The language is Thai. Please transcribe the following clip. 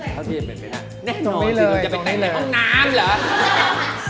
แน่นอนถ้าเราอยากไปแต่งในห้องน้ำหรือ